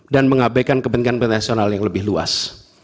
dan mengabaikan kebenkan penasional yang lebih luas